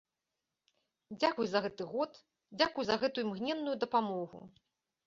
Дзякуй за гэты год, дзякуй за гэтую імгненную дапамогу.